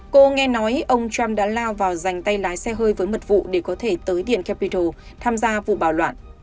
cô nghe nói ông trump đã lao vào dành tay lái xe hơi với mật vụ để có thể tới điện capital tham gia vụ bạo loạn